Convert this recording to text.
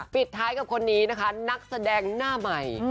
ปิดท้ายกับคนนี้นะคะนักแสดงหน้าใหม่